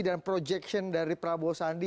dan projection dari prabowo sandi